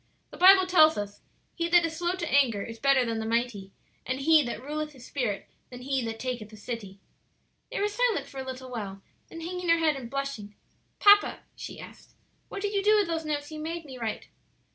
"The Bible tells us, 'He that is slow to anger is better than the mighty; and he that ruleth his spirit than he that taketh a city.'" They were silent for a little while, then hanging her head and blushing, "Papa," she asked, "what did you do with those notes you made me write?"